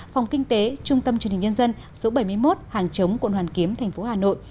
phòng kinh tế trung tâm chuyên hình nhân dân số bảy mươi một hàng chống quận hoàn kiếm tp hà nội